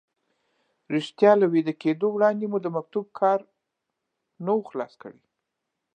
رښتیا له ویده کېدو وړاندې مو د مکتوب کار نه و خلاص کړی.